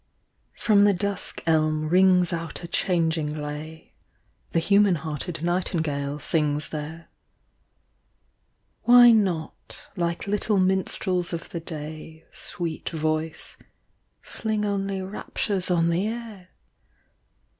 From the dusk elm rings out a changing lay j The human hearted nightingale sings there. Why not, like little minstrels of the day, Sweet voice, fling only raptures on the air ?